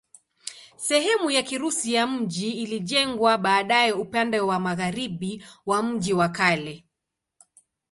Sehemu ya Kirusi ya mji ilijengwa baadaye upande wa magharibi wa mji wa kale.